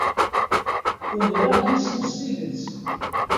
Umreɣ yes-m s tidet.